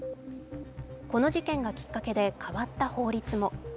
この事件がきっかけで変わった法律も。